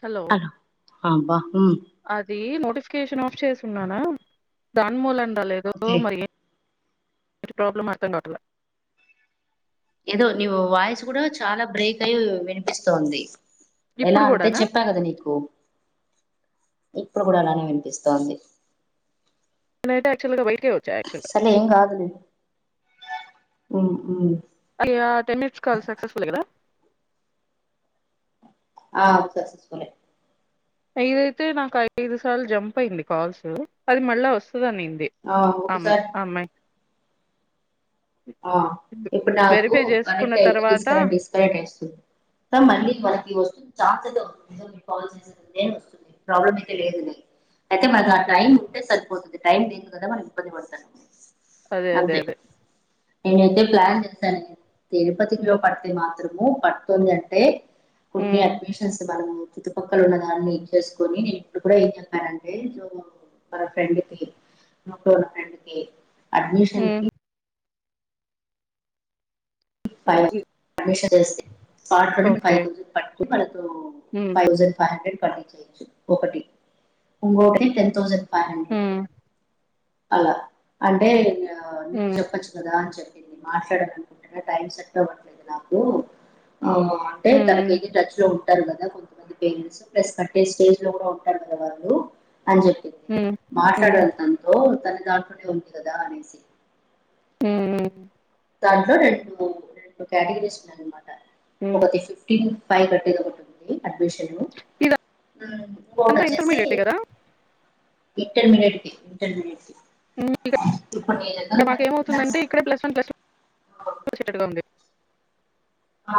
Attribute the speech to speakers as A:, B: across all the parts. A: Hello
B: అబా
A: అది notification of చేసి ఉంచానా దాని వల్ల రాలేదు
B: ఓకే
A: మరి ఏం ఇ ప్రాబ్లం అర్థం కావట్లా
B: ఏదో నీవు వాయిస్ కూడా చాలా బ్రేక్ అయి వినిపిస్ంది ఎలా
A: ఇప్పుడు
B: అంటే
A: కూడానా
B: చెప్పా కదా నీకు ఇప్పుడు కూడా అలానే వినిపిస్తోంది
A: నతే యాక్చవల్గా బై
B: సలే ఎంగ్ ఆదుదు ఉ ఉ
A: అది టెన్ మినిట్స్ క సక్సెస్ఫుల్దా
B: ఆ
A: ఇదైతే నాకు ఐదు సార్లు జంప్ అయింది కాల్స్ అది మళ్ళా వస్తుంది
B: ఆ ఒకసారి
A: నినందిమె
B: ఆ ఇప్పుడు నాకు
A: వెరిఫై చేసుకున్న
B: కనెక్ట్ అయితే
A: తర్వాత
B: డిస్కనెక్ట్ డిస్కనెక్ట్ అయిస్తుంది మళ్ళీ మనకి వస్తు కాల్ చే నే వంది ప్రాబ్లం అయితే లేదు అయితే మ నా
A: ఓకే
B: టైమ్ ఉంటే సరిపొతుంది టైమ్ ద కదా మరి ఇప్పందితా
A: అదే అదే అదే
B: నేనైతే ప్లాన్ చేశాను ఎ పతి కిలో
A: ఉమ్
B: పట్టతులేవా ము పంతొమి అంటే కున్ని
A: ఉమ్
B: అడ్మిషన్స్ బన చుట్టుపక్కల ఉన్న దాన్ని చేసుకొని నేను ఇప్పుడు కూడా ఏం చెప్పానంటే మన ఫ్రెండ్ కి ఇట్లో ఉన్న ఫ్రెండ్ కి
A: ఉమ్
B: అడ్మిషన్కి
A: ఉమ్,
B: ఫైవ్న్స్త ఫైవ్
A: ఓకే
B: థౌసండ్ పట్టుళ్ళతో
A: ఉమ్
B: ఫైవ్థౌసండ్ ఫైవ్ హండ్రెడ్ ప ఒకటి ఇంకొని టెన్ ౌసండ్ ఫైవ్ హండ్రెడ్
A: ఉమ్
B: అలా అంటే నీకు
A: ఉమ్
B: చెప్పచ్చు కదా అని చెప్ప మాసడకు టై సెట్టదు నాకు అంటే
A: ఉమ్
B: తనకెతే టచ్ లో ఉ అంటారు కదా కొంతమంది పేరెంట్స్ ప్లస్ కట్టే స్టేజ్ లో కూడా ఉంటారు కదా వాళ్ళు అని చెప్పింది
A: ఉమ్ ఉమ్
B: మాట్లాడటంతో దాటుడి ఉంది కదా అనేసి
A: హ్మ్ హ్మ్
B: దాంట్లో రెండు రెండు కేటగిరీస్ ఉన్నాయన్నమాట
A: ఉమ్
B: ఒకటి ఫిఫ్టీ ఫై కట్టిది ఒకటింది అడ్మిషను హ్మ్ ఇకోటి
A: ఇదంతా
B: వచ్చేసి
A: ఇంటర్మీడియట్ కదా
B: ఇంటర్మీడియట్ కి ఇంటర్మీడియట్ కి
A: మాక
B: టెన్త్ క్లాస్
A: ఏమవుతుందంటే ఇక్కడ ప్లస్ వన్ ప్లస్ కోశేటోళ్ళం బి
B: ఆ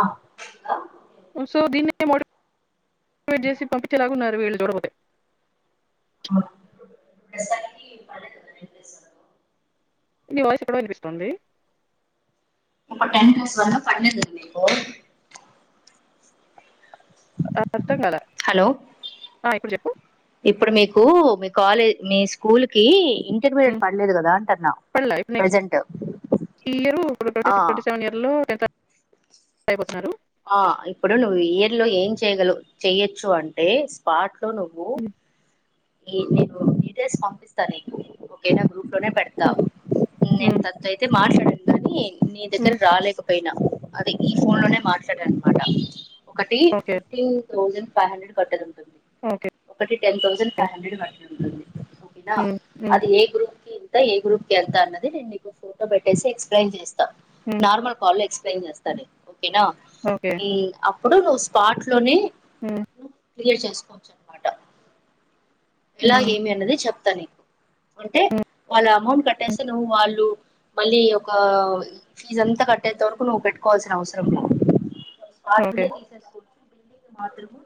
A: చేసి పంపించేలాగాన్నారు వీళ్ళు చూడకపో తే నీ వాయసు ఎక్కడ వినిపిస్తుంది
B: ఇంకో టెన్ మిస్ వన్నా పన్నేండుంది
A: ఆ అర్థం కలే
B: హలో
A: ఆ ఇప్పుడు చెప్పు
B: కు మీ కాలేజ్ మీ స్కూల్ కి ఇంటర్మీడియట్
A: హ్మ్.
B: పడలేదు కదా అంటన్నా
A: పడలా ఇప్పుడు నెక్స్ట్
B: ప్రెజెంట్
A: ఈ ఇయరు ఇప్పుడు
B: ఆ
A: ఇయర్‌లో అయిపోతున్నారు
B: ఆ ఇప్పుడు నువ్వు ఇయర్ లో ఏం చేయ్యగల చెయొచ్చు అంటే స్పార్ట్ నువ్వు
A: హ్మ్.
B: ఈ నీకు డీటెయిల్స్ పంపిస్తా నీకు ఓకేనా గ్రూప్ లో నే పెడతా
A: హ్మ్.
B: నేను
A: హ్మ్.
B: తత్ అయితే మాట్లాడం కానీ నీ దగ్గర
A: హ్మ్.
B: రాలేకపోయినా అదే ఈ ఫోన్ లోనే మాట్లడ అనమాట ఒకటి
A: ఓకే.
B: ఫిఫ్టీన్ థౌజండ్ ఫైహండ్రడ్ కట్టే
A: ఓకే.
B: ఒకటి టెన్ థౌసండ్ [inaudible] ఓకెనా
A: హ్మ్. హ్మ్.
B: అది ఏ గ్రూప్ కి తే ఏ గ్రూప్కి ఎంత అన్నది నేను నీకు ఫోటో పెట్టేసి ఎక్స్ప్లెయిన్ చేస్
A: హ్మ్.
B: నార్మల్ కాలేజ్ ఎం చేస్తానై కెనా
A: ఓకే.
B: ఈ అప్ ఇప్పుడు ను్వు స్పాట్ లోనే
A: హ్మ్.
B: క్లియర్ చేసుకోవచ్చు అనమాట
A: హ్మ్.
B: ఇలాగేమి అన్నది చెప్ప అంటే
A: హ్మ్.
B: వాళ్ళ అమౌంట్ కట్టేస్తే నువ్వు వాళ్ళు మళ్ళీ ఒక ఫీజ్ అంతా కట్టేంత వరకు నువ్వు పెట్టుకోవాల్సిన అవసరం లే
A: ఓకే.
B: స్పాట్నే తీసేసుకు మాత్రము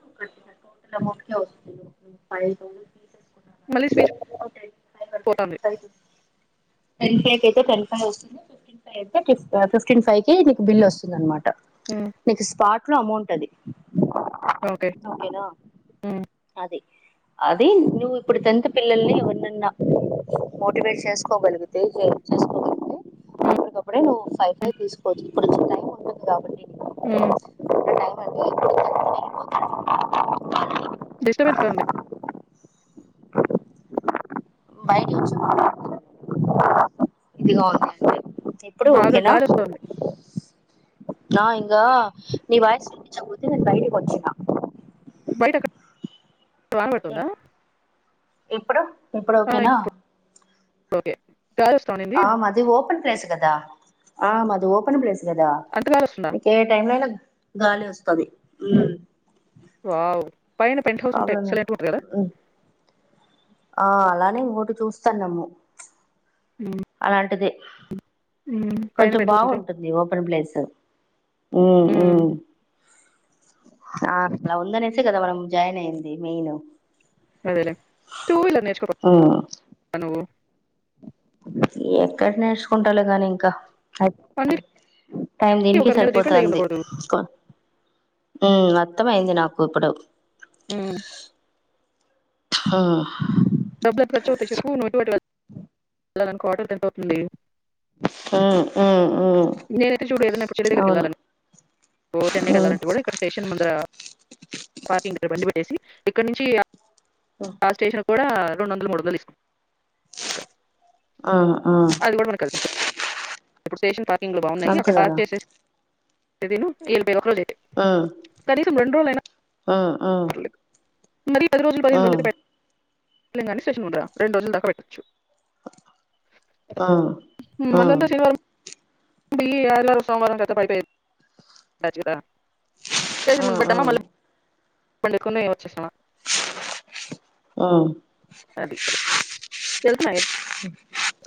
B: తప్పకుండ వస్తుంది ఫైవ్ థౌసేండ్
A: మళ్ళీ స్పీచ్
B: ఫైవ్
A: [inaudible]
B: కడితే టెన్
A: పోటాంది
B: ఫైవ్ టెన్ ఫైవ అయితే టెన్ ఫైవ్ వస్తుంది ఫిఫ్టీన్ ఫైవ్ అయితే ఫిఫ్టీన్ ఫైవ మీకు బిల్ వస్తుంది అనమాట
A: హ్మ్.
B: నీకు పార్ట్ ఎక్కువ అమౌంట్ అది
A: ఓకే.
B: ఓకేనా
A: హ్మ్.
B: అదే అడ్ అది నువ్వు ఇప్పుడు టెన్త్ పిల్లల్ని ఎవరినన్నా మోటివేట్ చేసుకోగలిగితే చేసుకోగలిగితే
A: హ్మ్.
B: కప్పుడే కప్పుడే [unintelligible] ఫై ఫై తీసుకోవచ్చు ఇప్పుడు టైం ఉంటుంది కాబట్టి
A: హు
B: [unintelligible]
A: డిస్టర్బెన్స్‌గా ఉంది.
B: బయటి వచ్చా ఇది కాదు ఎప్పుడు
A: బాగా
B: ఓకేనా
A: గాలొస్తోంది.
B: ఆ ఇగ నీ వాయిస్ వినిపించలేకపోతే బైడి వచ్చిన
A: బయటక అంగ్తు దా
B: ఇ-
A: [unintelligible]
B: ఇప్పుడు ఇప్పుడు ఓకేనా
A: ఓకే గాలొస్తా ఉండింది.
B: ఆ మాది ఓపెన్ ప్లేస్ కదా ఆ మాది ఓపెన్ ప్లేస్ కదా
A: అంతగాలి వస్తుందా
B: ఏ టైం లే గాలి వస్తది
A: వావ్ పైన పెంట్ హౌస్ ఉంటే
B: ప్రాబ్లమ్
A: ఎక్సలెంట్ గా ఉంటంది కదా
B: ఆ అలానే ఇంకోటి చూస్తానమ్ము
A: ఉమ్,
B: అలాంటిది
A: ఉమ్, పైన
B: కొంచెం
A: పెంట్ హౌస్ ఉంటే
B: బాగుంటుంది ఓపెన్ ప్లేస్
A: ఉమ్,
B: ఆ అలా ఉందనేసే కదా మనం జాయిన్ అయింది నేను
A: అదేలేే టు వీలర్ నేర్చుకో
B: ఉమ్
A: [inaudible] నేను
B: ఎక్కడ నేర్చుకుంటాల కాని ఇంకా అ
A: అన్నిటికీ
B: టైం దీనికి
A: ఒకరి మీద డిపెండ్ అయి
B: సరిపోతుంది
A: ఉండకూడదు
B: ఉ అర్థం అయింది నాకు ఇప్పుడు
A: హు
B: ఆ
A: డబ్బులు ఎంత ఇలా నన్ కాటర్స్ కెంత అవుతుంది
B: ఆ ఆ
A: నేనైతె చూడ్లేదు నాకు చెట్టు దగ్గరికి వెళ్దారని ఓ చెన్నైకి
B: ఉమ్
A: ఎళ్ళాలంటే కూడ ఇక్కడ స్టేషన్ ముందరా పార్కింగ్ ఇక్కడ బంది ఏసి ఇక్కడ నుంచి అ ఆ స్టేషన్ కూడా రెండొందలు మూడొందలు తీస్కో
B: ఆ ఆ
A: అది కూడా మనకు కలిసి వస్తుంది ఇప్పుడు స్టేషన్ తాక్ ఇండ్లు బాన్నాయి అక్కడ టాస్క్ చేసేసి అధీను ఇంకేదొ ఒకట్చేసి
B: ఆ ఆ ఆ
A: మరిీ పది రోజులు పదిహేనురోజులైతె బ్యాక్ తెలంగాణ స్టేషన్ ఉండ్రా రెండు రోజుల్దాకా పెట్టొచ్చు
B: ఉమ్
A: ఉ
B: ఉమ్
A: అదంత సిల్వర్ బెయ్యి ఆదివారం సోమ్వారం దచ్చప్ అయితే కచ్చిత స్టేషన్
B: ఆ
A: ముంద్
B: ఆ
A: పెట్టమ్మ మళ్ళ పండకున్నె వచ్చేస్తావా
B: ఆ
A: అది పరిస్థి తెల్స్ నాయె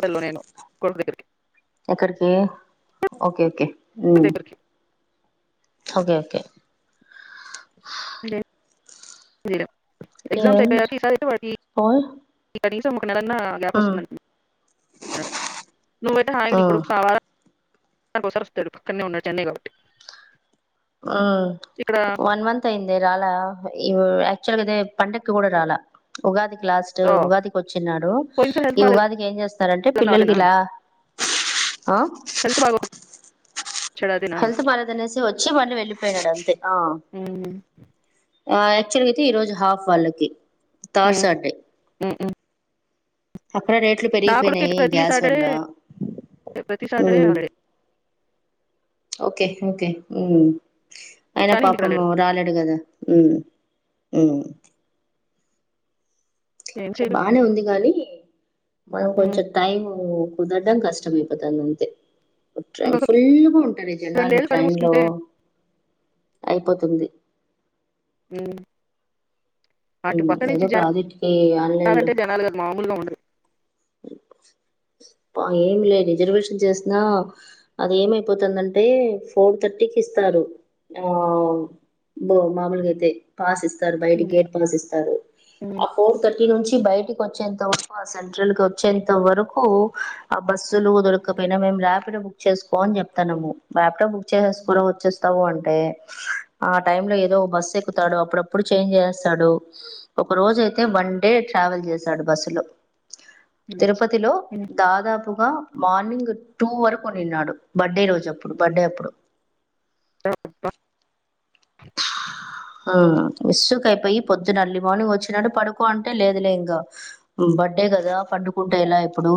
A: తిందు నేను కొర్రె ఫెఫ్టీ
B: ఎక్కడికీ ఓకె ఓకె
A: కొడుకు దగ్గరికి
B: పన్ చేస్తె
A: రీడం ఎగ్జామ్స్
B: ఏం
A: అయ్పోయాక ఈసారి అయితే ఒకటీ
B: పోయ్
A: ఉంటది తినడన్నా గ్యాప్
B: ఆ
A: వస్తుందండి నువ్వైతే అ
B: ఆ
A: య్నిప్పుడు కావాల రానికి ఒక్సారి వస్తడు పక్కన్నె ఉన్నడు చెన్నై లొ
B: ఆ వన్ మంత్ అయింది నువ్ రాలా ఇ యాక్చువల్ గ ఇ పండక్కు కూడ రాల ఉగాది లాస్టూ
A: ఓ,
B: ఉగాదికొచ్చిన్నాడు
A: పోయినసారి హెల్త్
B: ఈ
A: బాగాలేదు
B: ఉగాదికి ఏం చేస్తారంటె
A: అన్నావు
B: పిల్లలకి
A: అదేనా
B: ఇలా ఆ
A: హెల్త్ బాగా వచ్చాడు అదేనా
B: హెల్త్ పాల తనేసి వచ్చి వాడి వెళ్ళిపోయినాడు అంతే ఆ
A: ఉమ్,
B: ఆ యాక్చువల్ గయితే ఈ రోజు హాఫ్ వాళ్ళకి థర్డ్ సాటర్డే
A: ఉమ్
B: అక్కడ రేట్లు
A: నా కొడుకు అయితే
B: పెరిగిపోయినాయి
A: ప్రతి
B: గ్యాస్ వల్ల
A: సాటర్డే ప్రతి Saturday holiday
B: okay okay hmm అయినా
A: కానీ ఇంటికి
B: పాపము రాలేడు కదా ఉమ్
A: ఏం
B: అక్కడ
A: చేయలేం
B: బానే ఉంది గానీ
A: ఉమ్.
B: మనంకొంచం టైమ్ తినటం కష్టం అయిపోతుంది అంతే
A: ఇంకొక
B: ఫుల్గా ఉంటారు జనాలు
A: రెండేళ్ళు కళ్ళు
B: ట్రైన్ లో
A: మూసుకుంటే
B: అయిపోతుంది.
A: మ్ అటు
B: హ్మ్
A: పక్క నుంచి
B: ఏదో
A: జనాలు
B: ప్రాజెక్ట్ కి
A: జనాలుఅంటే జనాలు కాద్ మామూలుగా ఉండదు.
B: ఏమి లే రిజర్వేషన్ చేసినా అది ఏమైపోతుందంటే ఫోర్ థర్టీకి ఇస్తారు ఆ బ మామూలుగా అయితే పాస్ ఇస్త బయట గేట్ పాసిస్తారు ఆ ఫోర్ థర్ట్ ఇంటి నుంచి బయటికి వచ్చేంత ఉపవాసం చల్కో వచ్చేంత వరకు ఆ బస్సులు దొరకపోయినా మేము రాపిడో బుక్ చేసుకోని చెప్తానము ర్యాపిడో బుక్ చేసు కూడా వచ్చేస్తావు అంటే ఆ టైమ్ లో ఏదో బస్సు ఎక్కుతాడు అప్పుడప్పుడు చేంజ్ చేస్తాడు ఒక రోజుయితే వన్ డే ట్రావెల్ చేసాడు బస్సు లో తిరుపతిలో దాదాపు ఇంగ మార్నింగ్ టూ వరకు ఉండిన్నాడు బర్డ్ రోజు అప్పుడు బర్డ్ అప్పుడు
A: తేవ్ పా
B: విస్సుక్ అయిపోయి పొద్దున అర్లీ మార్నింగ్ వచ్చినడు పడుకో అంటే లేదులే ఇంకా బర్డే కదా పండుకుంటే ఎలా ఇప్పుడు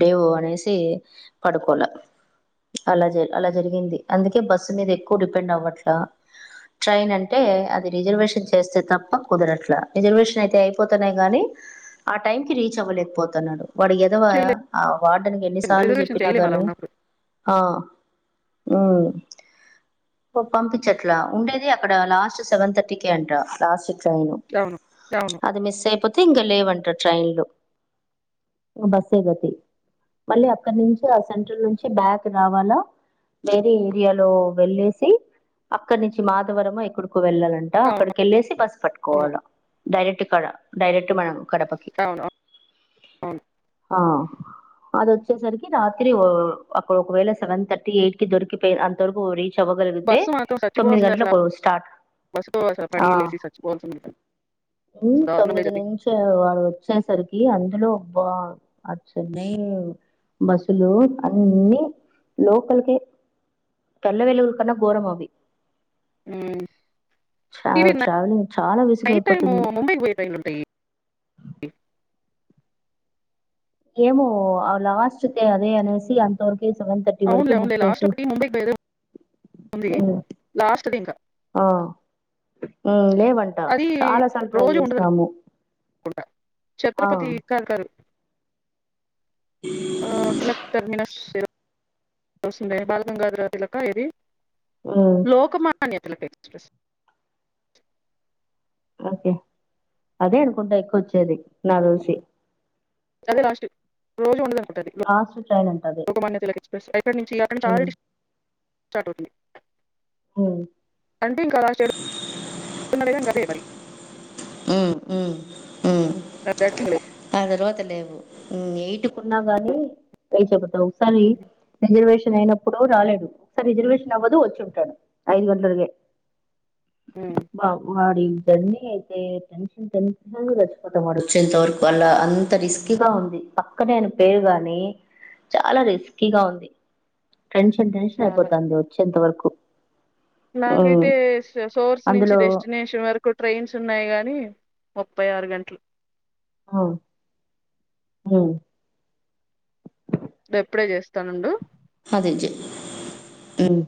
B: డేవ అనేసి పడుకోల అలా జ అలా జరిగింది అందుకే బస్సు మీద ఎక్కువ డిపెండ్ అవ్వట్లా ట్రైన్ అంటే అది రిజర్వేషన్ చేస్తే తప్ప కుదరట్లా రిజర్వేషన్ అయితే అయిపోతున్నాయి గాని ఆ టైం కి రీచ్ అవ్వలేకపోతున్నాడు. వాడు ఎదవా
A: చేయలేము
B: ఆ వార్డెన్కి ఎన్నిసార్లు
A: రిజర్వేషన్
B: చెప్పినా
A: చేయలేము అలా
B: గానీ
A: ఉన్నప్పుడు
B: పప్పంపి చెట్లా ఉండేది అక్కడ లాస్ట్ సెవెన్ థర్టీ కే అంట లాస్ట్
A: అవును అవును
B: అది మిస్ అయిపోతే ఇంకా లే వంట ట్రైన్ లో ఇగ బస్ ఏగతి మళ్ళీ అక్కడ నుంచి ఆ సెంట్రల్ నుంచి బ్యాక్ రావాలా వేరే ఏరియాలో వెళ్ళేసి అక్కడ నుంచి మాధవరామో ఎక్కడికో వెళ్ళాలంట అక్కడికిళ్ళేసి బస్
A: అవును
B: పట్టుకోవాల డైరెక్ట్ కడ డైరక్ట్ మనం కడపకి
A: అవును అవును
B: అదొచ్చేసరికి రాత్రి ఓ అక్కడ ఒకవేళ సెవెన్ థర్టీ ఎయిట్ కి దొరికితే అంతరకు ఓరి శవగలిగితే
A: బస్సు మాత్రం
B: తొమ్మిది
A: చచ్చిపోవాల్సింది అసలు ఆ
B: గంటలకు స్టార్ట్
A: బస్సు అసలు పడి లేసి చచ్చిపోవాల్సింది
B: మ్
A: అసలు దారుణం
B: తొమ్మిది
A: లేదు
B: నుంచి వాళ్ళు వచ్చేసరికి అందులో బా ఆ చెన్నై బస్సులు అన్ని లోకలకే తెల్లవేలుగు కన్నా ఘోరం అవి
A: మ్మ్
B: ట్రా
A: ఇవి న
B: ట్రావెలింగ్ చాలా
A: టై
B: విసుగైపోతుంది
A: ముంబైకి పోయియి ఉంట
B: ఏమో అ వాస్తే అదే అనేసి అంతవ తె సెవెన్ థర్టీ వరకు
A: అవునులే
B: బుక్
A: అవునులే లాస్ట్
B: చేసి
A: ఒకటి ముంబైకి పోయేది ఉంది
B: మ్మ్
A: లాస్ట్ది ఇంకా
B: మ్మ్ ఆ లేవంట
A: అది
B: చాలా సార్లు ట్రై
A: రోజు ఉండదు
B: చేస్తాము
A: అనుకుంటా
B: ఆ
A: ఛత్రపతి ఆ కలటర్మిన వస్తుందే బాలగంగాధరాత్ర లక్క ఇది
B: ఉమ్
A: లోక మా అన్యాతలక్్ ఎక్స్ప్రెస్
B: ఓకే అదే అనుకుంటా ఎక్కువ వచ్చేది నాక్ తెలిసి
A: అది ట్ రోజు ఉండల ంది
B: లాస్ట్ ట్రైన్ అంట అది
A: లోకమాన్యతల ఎక్స్ప్రెస్ అక్కడ నుంచిరంట
B: ఉమ్
A: ఆల్రెడీ స్టార్ట్ అవుతుంది
B: ఉమ్
A: రంటీం కదాశడున్నడం కద ఇవరి
B: మ్మ్ మ్మ్ మ్మ్
A: థర్డ్ థింగ్ లేదు
B: తర్వాత లేవు మ్మ్ ఎయిట్ న్నా గాని ప చెబతా ఒకసారి రిజర్వేష లేనప్పుడు రాలేదు ఇప్ ఆ రిజర్వేషన్ అవ్వదు వచ్చుడు ఐదు వందల్ గే
A: ఉమ్,
B: బా వాడి దన్ని అ టెన్షన్ టెన్షన్ గచ్చిపోతా మ వచ్చేంత వరకు అలా అంత రిస్కీగా ఉంది పక్కనేను పేరుగాని చాలా రిస్కీగా ఉంది ట్రెన్షన్ టెన్షన్
A: చాలా
B: అయిపోతంది వచ్చి ఎంత వరకు
A: నాకైతే
B: ఉమ్,
A: సోర్స్ నుంచి
B: అందులో
A: డెస్టినేషన్ వరకు ట్రైన్స్ ఉన్నాయి కానీ ముప్పై ఆరు గంటలు
B: అవును మ్మ్
A: ఎప్పుడే చేస్తానుండు
B: అదేజీ మ్మ్